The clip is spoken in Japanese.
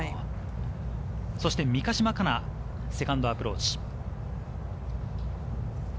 そして三ヶ島かな、セカンドアプローチ。